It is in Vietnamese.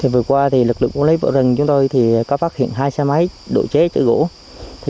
vừa qua lực lượng bảo vệ rừng của chúng tôi có phát hiện hai xe máy độ chế chở gỗ